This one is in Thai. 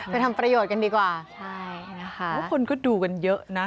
ทำประโยชน์กันดีกว่าใช่นะคะทุกคนก็ดูกันเยอะนะ